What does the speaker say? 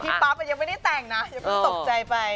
พี่ป๊อปยังไม่ได้แต่งนะยังตกใจไป